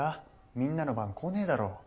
みんなの番こねえだろ？